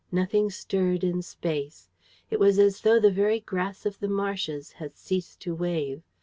Nothing stirred in space. It was as though the very grass of the marshes had ceased to wave.